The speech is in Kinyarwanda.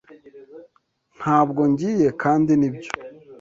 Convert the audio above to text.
Ntabwo ngiye, kandi nibyo.